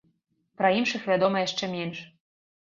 Пра іншых вядома яшчэ менш.